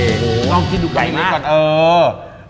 โอ้โหต้องกินดูไก่มากไก่นี้ก่อนเออ